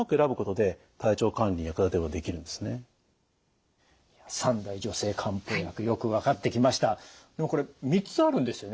でもこれ３つあるんですよね？